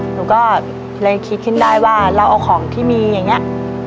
หนูก็เลยคิดขึ้นได้ว่าเราเอาของที่มีอย่างนี้